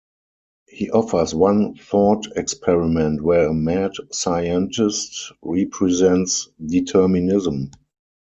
He offers one thought experiment where a mad scientist represents determinism.